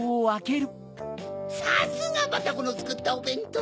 さすがバタコのつくったおべんとう！